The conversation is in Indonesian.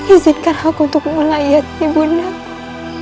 izinkan aku untuk melayati bunahku